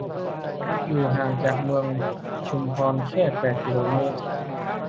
อยู่ห่างจากเมืองชุมพรแค่ แปด กิโลเมตร